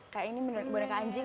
kayak ini benar benar boneka anjing